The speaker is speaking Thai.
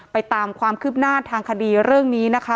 ตามความคืบหน้าทางคดีเรื่องนี้นะคะ